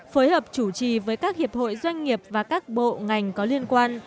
phối hợp chủ trì với các hiệp hội doanh nghiệp và các bộ ngành có liên quan